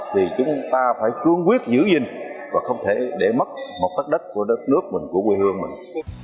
thì chúng ta phải cương quyết giữ gìn và không thể để mất một tất đất của đất nước mình của quê hương mình